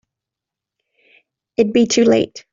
It'd be too late.